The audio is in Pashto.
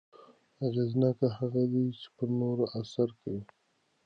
اغېزناک هغه دی چې پر نورو اثر وکړي.